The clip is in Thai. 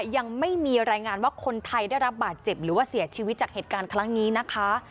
ยังไม่มีรายงานว่าคนไทยได้รับบาดเจ็บหรือว่าเสียชีวิตจากเหตุการณ์ครั้งนี้นะคะ